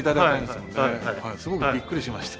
すごくびっくりしました。